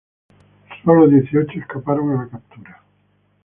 Sólo dieciocho escaparon a la captura.